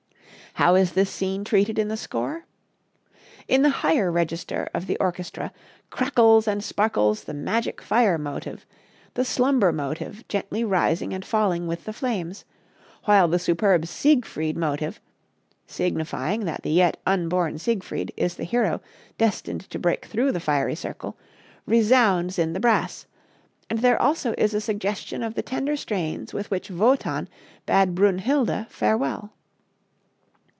How is this scene treated in the score? In the higher register of the orchestra crackles and sparkles the Magic Fire Motive, the Slumber Motive gently rising and falling with the flames; while the superb Siegfried Motive (signifying that the yet unborn Siegfried is the hero destined to break through the fiery circle) resounds in the brass, and there also is a suggestion of the tender strains with which Wotan bade Brünnhilde farewell.